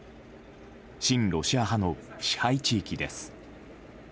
親ロシア派の支配地域です。